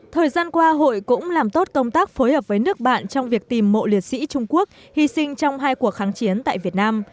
thời gian qua hội cũng làm tốt công tác phối hợp với nước bạn trong việc tìm mộ liệt sĩ trung quốc hy sinh trong hai cuộc kháng chiến tại việt nam